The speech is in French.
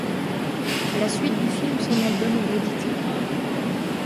À la suite du film son album est réédité.